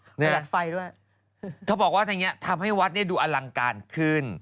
ประหลัดไฟด้วยเขาบอกว่าทางนี้ทำให้วัดเนี่ยดูอลังการขึ้น